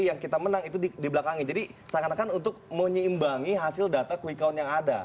yang kita menang itu di belakangnya jadi seakan akan untuk menyeimbangi hasil data quick count yang ada